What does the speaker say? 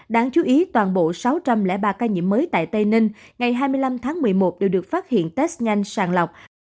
đáng chú ý toàn bộ sáu trăm linh ba ca nhiễm mới tại tây ninh ngày hai mươi năm tháng một mươi một đều được phát hiện test nhanh sàng lọc